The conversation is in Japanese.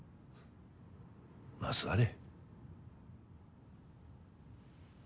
まあ座れ。